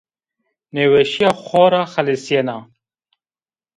Nêweşîya xo ra xelîsyena